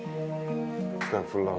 jika sudah member karena